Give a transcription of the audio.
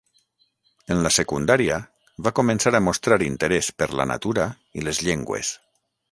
En la secundària va començar a mostrar interès per la natura i les llengües.